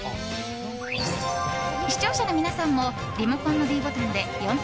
視聴者の皆さんもリモコンのｄボタンで４択